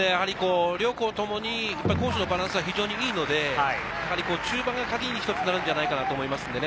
両校ともに攻守のバランスが非常にいいので、中盤がカギに一つ、なるんじゃないかなと思います。